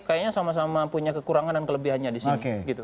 kayaknya sama sama punya kekurangan dan kelebihannya disini